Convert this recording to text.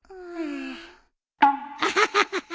アハハハハ！